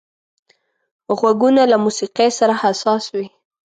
غوږونه له موسيقي سره حساس وي